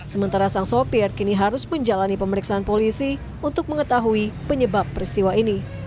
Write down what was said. sementara sang sopir kini harus menjalani pemeriksaan polisi untuk mengetahui penyebab peristiwa ini